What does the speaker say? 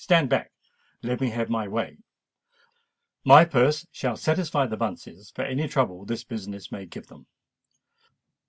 "Stand back, and let me have my way. My purse shall satisfy the Bunces for any trouble this business may give them."